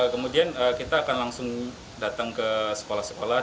kemudian kita akan langsung datang ke sekolah sekolah